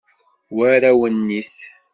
War awennit.